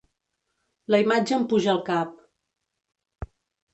La imatge em puja al cap.